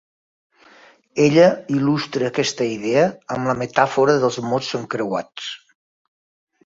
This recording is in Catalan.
Ella il·lustra aquesta idea amb la metàfora dels mots encreuats.